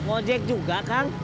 ojek juga kang